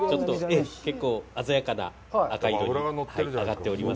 結構、鮮やかな赤い色に上がっております。